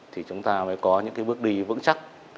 thì chúng ta mới có những cái bước đi vững chắc